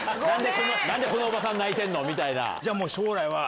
何でこのおばさん泣いてるの？みたいな。